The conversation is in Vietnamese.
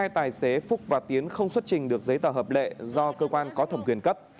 hai tài xế phúc và tiến không xuất trình được giấy tờ hợp lệ do cơ quan có thẩm quyền cấp